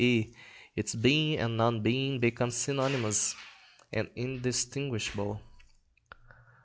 e._, its being and non being become synonymous and indistinguishable.